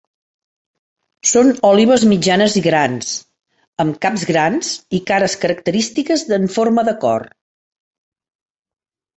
Són òlibes mitjanes i grans, amb caps grans i cares característiques en forma de cor.